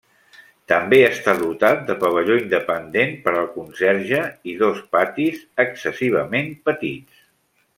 També està dotat de pavelló independent per al conserge i dos patis, excessivament petits.